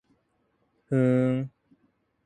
ふーん